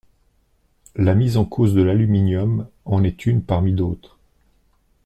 La mise en cause de l’aluminium en est une parmi d’autres.